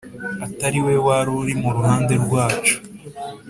atari we wari uri mu ruhande rwacu